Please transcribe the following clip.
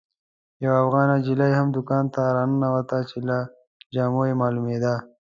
یوه افغانه نجلۍ هم دوکان ته راننوته چې له جامو یې معلومېده.